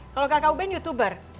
kalau kakak uben youtuber